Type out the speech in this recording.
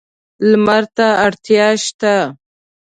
لمر ته اړتیا شته.